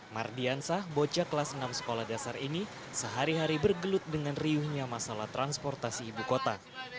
mardiansah bocah kelas enam sekolah dasar ini sehari hari bergelut dengan riuhnya masalah transportasi ibu kota